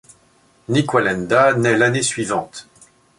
Nik Wallenda naît l'année suivante.